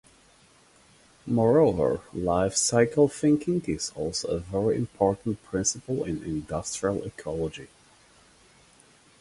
Moreover, "life cycle thinking" is also a very important principle in industrial ecology.